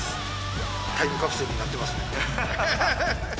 タイムカプセルになってますねハハハ！